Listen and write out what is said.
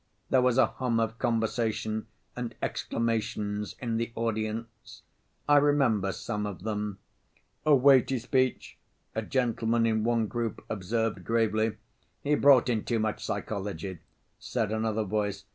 There was a hum of conversation and exclamations in the audience. I remember some of them. "A weighty speech," a gentleman in one group observed gravely. "He brought in too much psychology," said another voice.